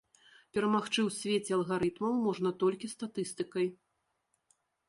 Перамагчы ў свеце алгарытмаў можна толькі статыстыкай.